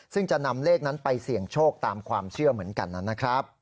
ซึ่งจะนำเลขนั้นไปเสี่ยงโชคตามความเชื่อเหมือนกันนะครับ